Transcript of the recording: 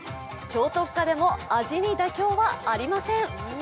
超特価でも味に妥協はありません。